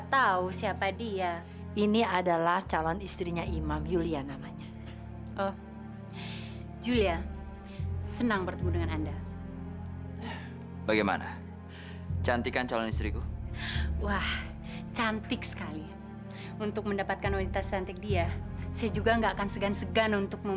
tenang aja tante